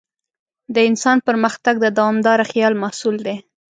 د انسان پرمختګ د دوامداره خیال محصول دی.